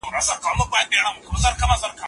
ميرويس خان نيکه څنګه د خپل مشرتابه ځانګړتياوې وښودې؟